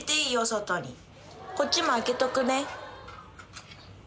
こっちも開けとくね。